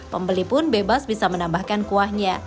pembeli pun bebas bisa menambahkan kuahnya